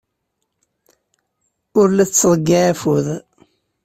Ur la tettḍeyyiɛ akud.